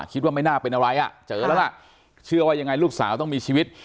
คิดว่าไม่น่าเป็นอะไรอ่ะเจอแล้วล่ะเชื่อว่ายังไงลูกสาวต้องมีชีวิต